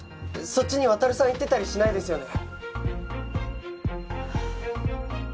そっちに渉さん行ってたりしないですよね？